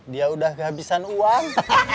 dia udah kehabisan uang